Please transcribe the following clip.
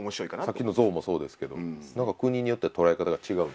さっきの象もそうですけど何か国によって捉え方が違うんですね。